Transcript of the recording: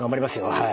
はい。